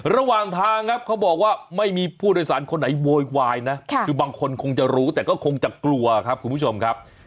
ระหว่างทางครับเขาบอกว่าไม่มีผู้โดยสารคนไหนโวยวายนะคือบางคนคงจะรู้แต่ก็คงจะกลัวครับคุณผู้ชมครับ